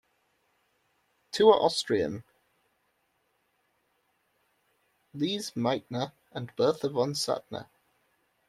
Two are Austrian: Lise Meitner and Bertha von Suttner.